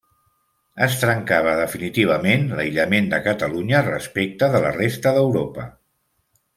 Es trencava definitivament l'aïllament de Catalunya respecte de la resta d'Europa.